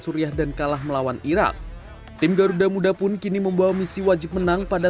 suriah dan kalah melawan irak tim garuda muda pun kini membawa misi wajib menang pada